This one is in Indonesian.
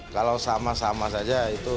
kalau sama sama saja itu